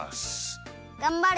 がんばれ。